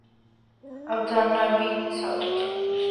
Abdelaziz bin Saud